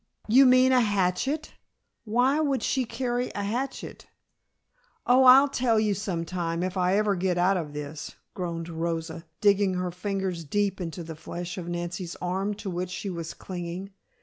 "You mean a hatchet. Why would she carry a hatchet?" "Oh, I'll tell you, sometime; if I ever get out of this," groaned Rosa, digging her fingers deep into the flesh of Nancy's arm to which she was clinging.